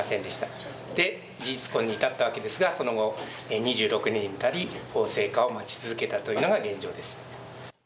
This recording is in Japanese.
で事実婚に至ったわけですがその後２６年に至り法制化を待ち続けたというのが現状です。